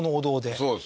そうです